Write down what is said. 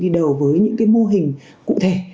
đi đầu với những mô hình cụ thể